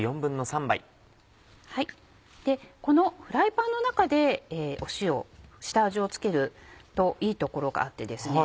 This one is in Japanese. このフライパンの中で塩下味を付けるといいところがあってですね